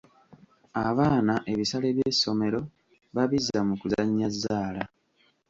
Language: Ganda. Abaana ebisale by'essomero babizza mu kuzannya zzaala.